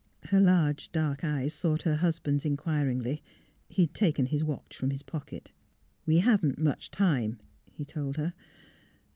Her large dark eyes sought her husband's in quiringly. He had taken his watch from his pocket. " We haven't much time," he told her.